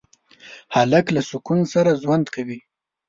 هلک له سکون سره ژوند کوي.